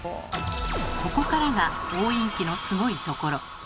ここからが押印機のすごいところ。